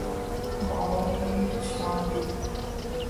معمول کی چھانٹی